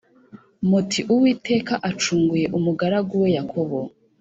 muti Uwiteka acunguye umugaragu we Yakobo